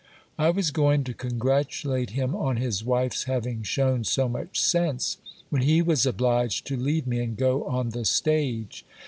I was going to congratulate him on his wife's having shewn so much sense, when he was obliged to leave me and go on the stage.